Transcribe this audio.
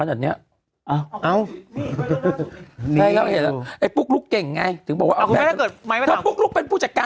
ไอปุ๊กลุ๊กเก่งเนาะ